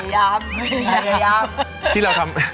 พยายาม